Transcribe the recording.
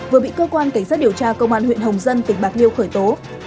vừa bị cơ quan cảnh sát điều tra công an huyện hồng dân tỉnh bạc liêu khởi tố